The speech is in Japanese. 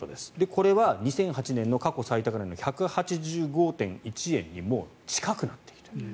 これは２００８年の過去最高値の１８５．１円にもう近くなっている。